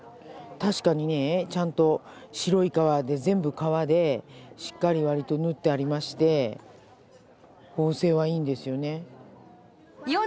確かにねちゃんと白い革で全部革でしっかり割と縫ってありまして縫製はいいんですよね。